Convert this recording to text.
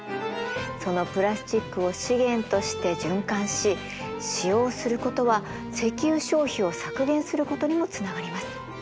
そのプラスチックを資源として循環し使用することは石油消費を削減することにもつながります。